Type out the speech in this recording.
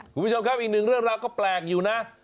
คุณผู้ชมครับอีกหนึ่งเรื่องราวก็แปลกอยู่นะ